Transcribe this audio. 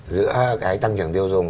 giữa cái tăng trưởng tiêu dùng